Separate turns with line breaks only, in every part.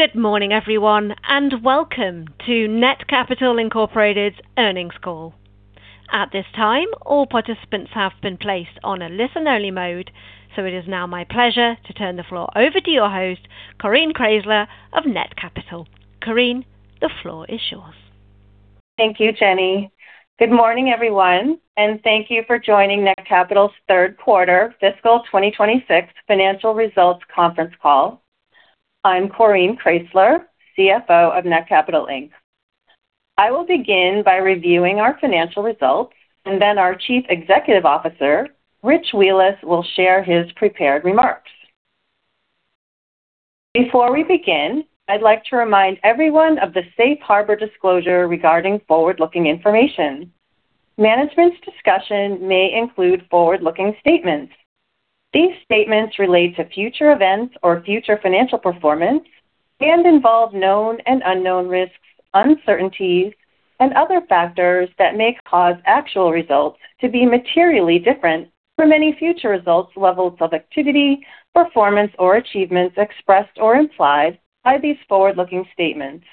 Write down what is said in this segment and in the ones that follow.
Good morning, everyone, and welcome to Netcapital Incorporated's earnings call. At this time, all participants have been placed on a listen-only mode, so it is now my pleasure to turn the floor over to your host, Coreen Kraysler of Netcapital. Coreen, the floor is yours.
Thank you, Jenny. Good morning, everyone, and thank you for joining Netcapital's third quarter fiscal 2026 financial results conference call. I'm Coreen Kraysler, CFO of Netcapital Inc. I will begin by reviewing our financial results and then our Chief Executive Officer, Rich Wheeless, will share his prepared remarks. Before we begin, I'd like to remind everyone of the safe harbor disclosure regarding forward-looking information. Management's discussion may include forward-looking statements. These statements relate to future events or future financial performance and involve known and unknown risks, uncertainties, and other factors that may cause actual results to be materially different from any future results, levels of activity, performance, or achievements expressed or implied by these forward-looking statements.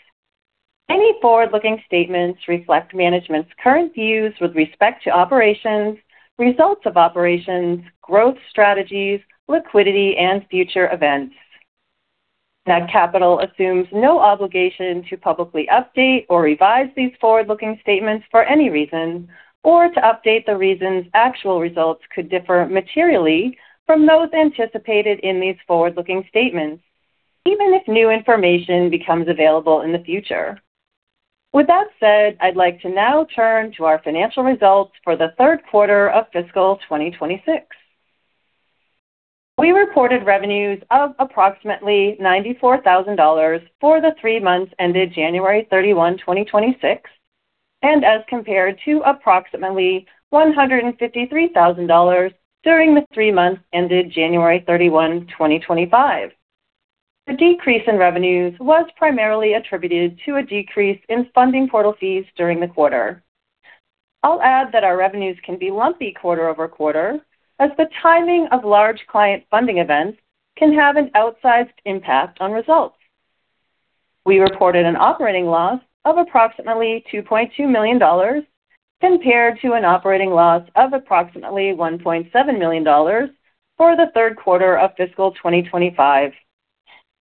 Any forward-looking statements reflect management's current views with respect to operations, results of operations, growth strategies, liquidity, and future events. Netcapital assumes no obligation to publicly update or revise these forward-looking statements for any reason or to update the reasons actual results could differ materially from those anticipated in these forward-looking statements, even if new information becomes available in the future. With that said, I'd like to now turn to our financial results for the third quarter of fiscal 2026. We reported revenues of approximately $94,000 for the three months ended January 31, 2026, and as compared to approximately $153,000 during the three months ended January 31, 2025. The decrease in revenues was primarily attributed to a decrease in funding portal fees during the quarter. I'll add that our revenues can be lumpy quarter-over-quarter, as the timing of large client funding events can have an outsized impact on results. We reported an operating loss of approximately $2.2 million compared to an operating loss of approximately $1.7 million for the third quarter of fiscal 2025.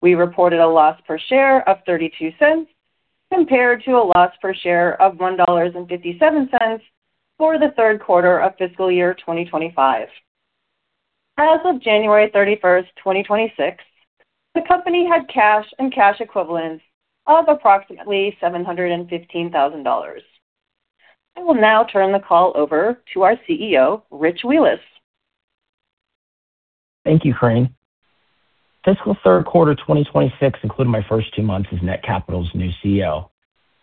We reported a loss per share of $0.32 compared to a loss per share of $1.57 for the third quarter of fiscal year 2025. As of January 31st, 2026, the company had cash and cash equivalents of approximately $715,000. I will now turn the call over to our CEO, Rich Wheeless.
Thank you, Coreen. Fiscal third quarter 2026 included my first two months as Netcapital's new CEO,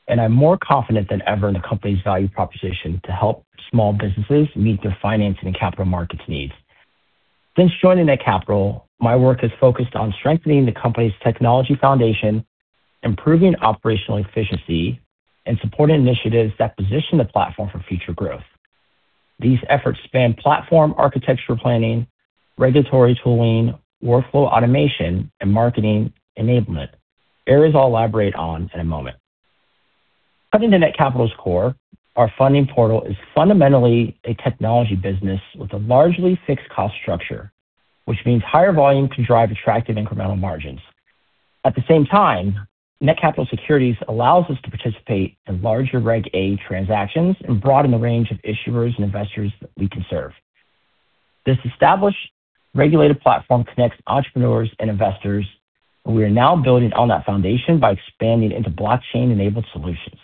and I'm more confident than ever in the company's value proposition to help small businesses meet their financing and capital markets needs. Since joining Netcapital, my work has focused on strengthening the company's technology foundation, improving operational efficiency, and supporting initiatives that position the platform for future growth. These efforts span platform architecture planning, regulatory tooling, workflow automation, and marketing enablement, areas I'll elaborate on in a moment. Cutting to Netcapital's core, our funding portal is fundamentally a technology business with a largely fixed cost structure, which means higher volume can drive attractive incremental margins. At the same time, Netcapital Securities allows us to participate in larger Reg A transactions and broaden the range of issuers and investors that we can serve. This established regulated platform connects entrepreneurs and investors, and we are now building on that foundation by expanding into blockchain-enabled solutions.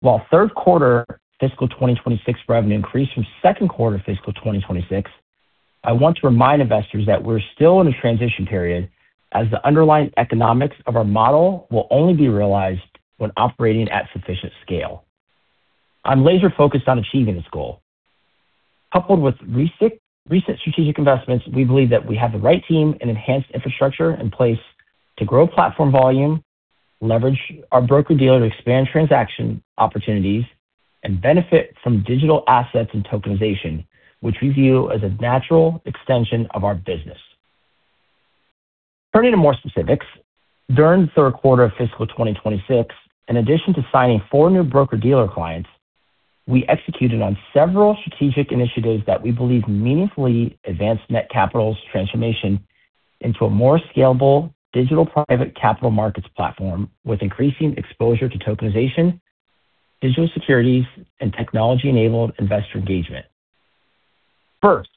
While third quarter fiscal 2026 revenue increased from second quarter fiscal 2026, I want to remind investors that we're still in a transition period as the underlying economics of our model will only be realized when operating at sufficient scale. I'm laser-focused on achieving this goal. Coupled with recent strategic investments, we believe that we have the right team and enhanced infrastructure in place to grow platform volume, leverage our broker-dealer to expand transaction opportunities, and benefit from digital assets and tokenization, which we view as a natural extension of our business. Turning to more specifics, during the third quarter of fiscal 2026, in addition to signing four new broker-dealer clients, we executed on several strategic initiatives that we believe meaningfully advanced Netcapital's transformation into a more scalable digital private capital markets platform with increasing exposure to tokenization, digital securities, and technology-enabled investor engagement. First,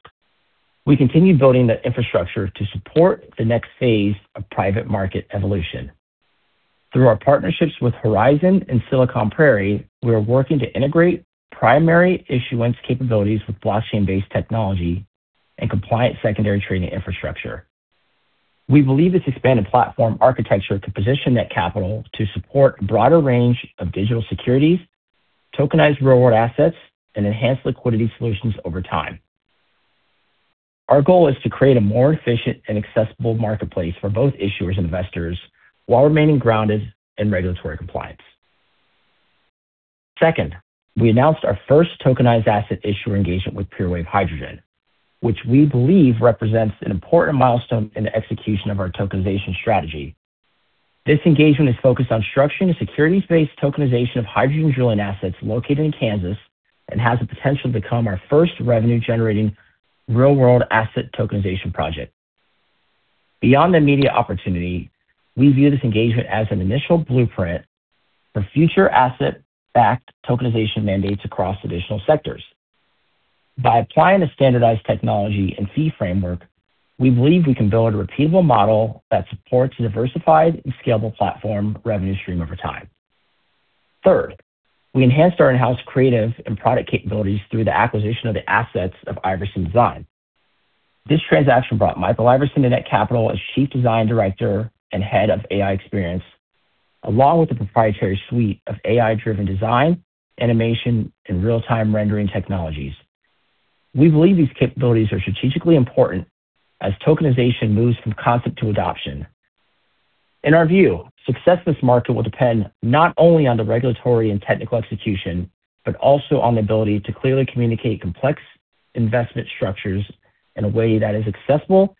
we continued building the infrastructure to support the next phase of private market evolution. Through our partnerships with Horizon and Silicon Prairie, we are working to integrate primary issuance capabilities with blockchain-based technology and compliant secondary trading infrastructure. We believe this expanded platform architecture can position Netcapital to support a broader range of digital securities, tokenized real-world assets, and enhanced liquidity solutions over time. Our goal is to create a more efficient and accessible marketplace for both issuers and investors while remaining grounded in regulatory compliance. Second, we announced our first tokenized asset issuer engagement with PureWave Hydrogen, which we believe represents an important milestone in the execution of our tokenization strategy. This engagement is focused on structuring a securities-based tokenization of hydrogen drilling assets located in Kansas and has the potential to become our first revenue-generating real-world asset tokenization project. Beyond the immediate opportunity, we view this engagement as an initial blueprint for future asset-backed tokenization mandates across additional sectors. By applying a standardized technology and fee framework, we believe we can build a repeatable model that supports a diversified and scalable platform revenue stream over time. Third, we enhanced our in-house creative and product capabilities through the acquisition of the assets of Iverson Design. This transaction brought Michael Iverson to Netcapital as Chief Design Director and Head of AI Experience, along with a proprietary suite of AI-driven design, animation, and real-time rendering technologies. We believe these capabilities are strategically important as tokenization moves from concept to adoption. In our view, success in this market will depend not only on the regulatory and technical execution, but also on the ability to clearly communicate complex investment structures in a way that is accessible,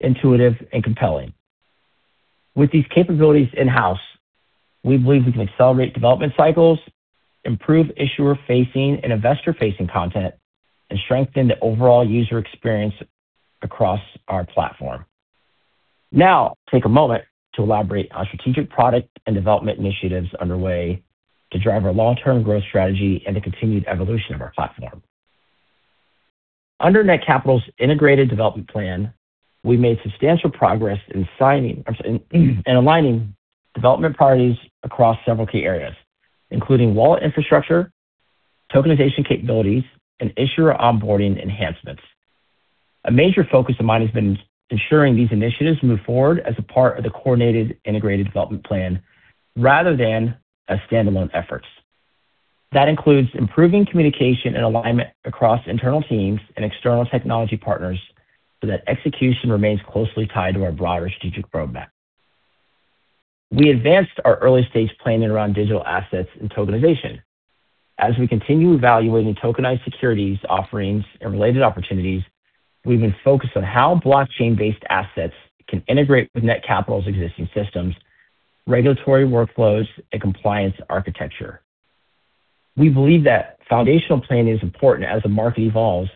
intuitive, and compelling. With these capabilities in-house, we believe we can accelerate development cycles, improve issuer-facing and investor-facing content, and strengthen the overall user experience across our platform. Now I'll take a moment to elaborate on strategic product and development initiatives underway to drive our long-term growth strategy and the continued evolution of our platform. Under Netcapital's integrated development plan, we made substantial progress in signing and aligning development priorities across several key areas, including wallet infrastructure, tokenization capabilities, and issuer onboarding enhancements. A major focus of mine has been ensuring these initiatives move forward as a part of the coordinated integrated development plan rather than as standalone efforts. That includes improving communication and alignment across internal teams and external technology partners so that execution remains closely tied to our broader strategic roadmap. We advanced our early-stage planning around digital assets and tokenization. As we continue evaluating tokenized securities offerings and related opportunities, we've been focused on how blockchain-based assets can integrate with Netcapital's existing systems, regulatory workflows, and compliance architecture. We believe that foundational planning is important as the market evolves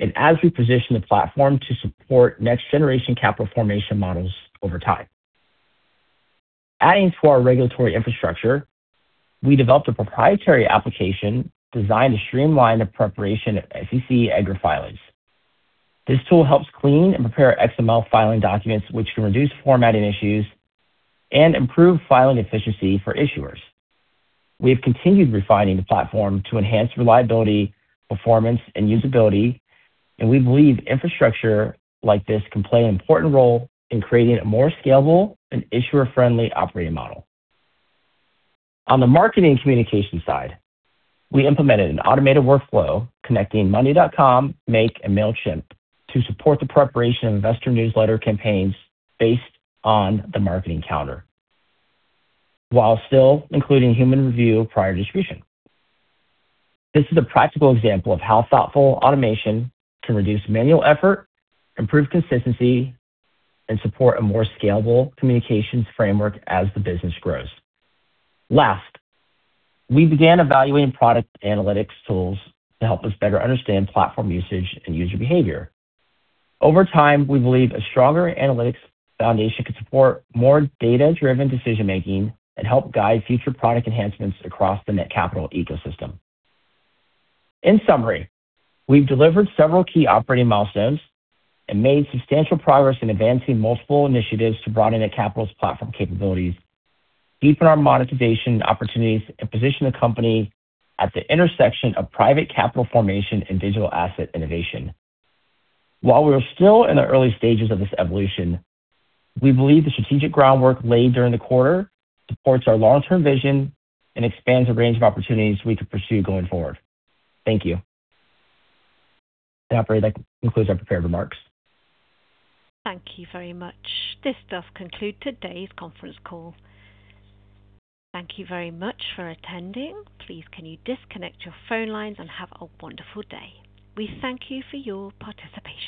and as we position the platform to support next-generation capital formation models over time. Adding to our regulatory infrastructure, we developed a proprietary application designed to streamline the preparation of SEC EDGAR filings. This tool helps clean and prepare XML filing documents, which can reduce formatting issues and improve filing efficiency for issuers. We have continued refining the platform to enhance reliability, performance, and usability, and we believe infrastructure like this can play an important role in creating a more scalable and issuer-friendly operating model. On the marketing communication side, we implemented an automated workflow connecting monday.com, Make, and Mailchimp to support the preparation of investor newsletter campaigns based on the marketing calendar, while still including human review prior to distribution. This is a practical example of how thoughtful automation can reduce manual effort, improve consistency, and support a more scalable communications framework as the business grows. Last, we began evaluating product analytics tools to help us better understand platform usage and user behavior. Over time, we believe a stronger analytics foundation could support more data-driven decision-making and help guide future product enhancements across the Netcapital ecosystem. In summary, we've delivered several key operating milestones and made substantial progress in advancing multiple initiatives to broaden Netcapital's platform capabilities, deepen our monetization opportunities, and position the company at the intersection of private capital formation and digital asset innovation. While we are still in the early stages of this evolution, we believe the strategic groundwork laid during the quarter supports our long-term vision and expands the range of opportunities we could pursue going forward. Thank you. Operator, that concludes our prepared remarks.
Thank you very much. This does conclude today's conference call. Thank you very much for attending. Please can you disconnect your phone lines and have a wonderful day. We thank you for your participation.